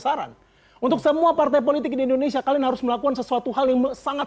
saran untuk semua partai politik di indonesia kalian harus melakukan sesuatu hal yang sangat